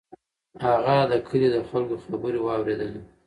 هغه د کلي د خلکو خبرې واورېدلې.